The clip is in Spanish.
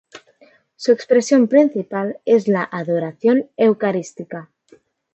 Su expresión principal es la adoración eucarística.